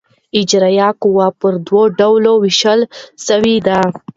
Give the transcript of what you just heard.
اجرائیه قوه پر دوه ډوله وېشل سوې ده.